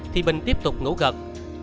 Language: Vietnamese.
thì bình tiếp tục ngủ gật